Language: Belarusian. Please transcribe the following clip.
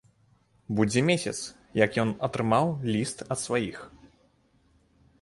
Будзе месяц, як ён атрымаў ліст ад сваіх.